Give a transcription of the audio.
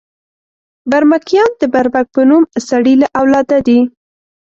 برمکیان د برمک په نوم سړي له اولاده دي.